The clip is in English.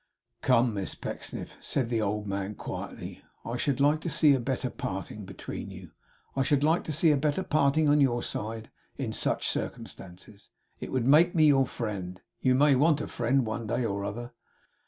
'Come, Miss Pecksniff!' said the old man, quietly. 'I should like to see a better parting between you. I should like to see a better parting on your side, in such circumstances. It would make me your friend. You may want a friend one day or other.